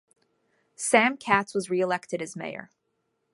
Sam Katz was re-elected as mayor.